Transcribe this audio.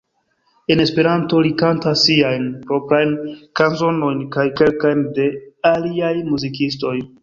En Esperanto li kantas siajn proprajn kanzonojn kaj kelkajn de aliaj muzikistoj.